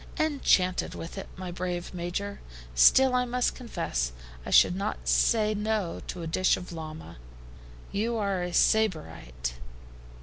"Enchanted with it, my brave Major; still I must confess I should not say no to a dish of llama." "You are a Sybarite."